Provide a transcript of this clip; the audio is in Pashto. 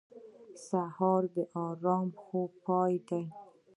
سهار د ارام خوب پای دی.